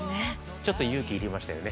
ちょっと勇気いりましたよね。